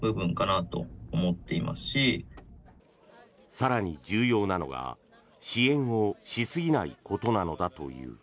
更に重要なのが支援をしすぎないことなのだという。